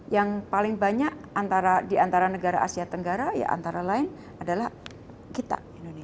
yang paling banyak diantara negara asia tenggara ya antara lain adalah kita